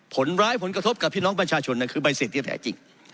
ผลร้ายผลกระทบกับพี่น้องประชาชนคือใบเสร็จที่แท้จริง